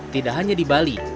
tidak hanya di bali